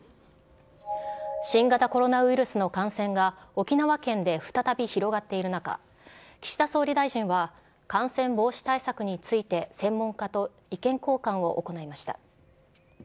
新型コロナウイルスの感染が、沖縄県で再び広がっている中、岸田総理大臣は、感染防止対策について専門家と意見交換を行いました。